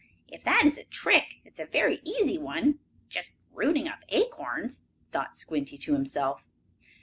"Ha! If that is a trick, it is a very easy one just rooting up acorns," thought Squinty to himself.